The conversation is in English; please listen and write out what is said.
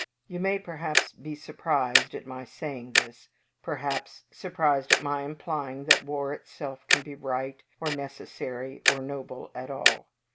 You may, perhaps, be surprised at my saying this; perhaps surprised at my implying that war itself can be right, or necessary, or noble at all.